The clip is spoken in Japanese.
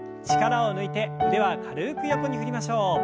力を抜いて腕は軽く横に振りましょう。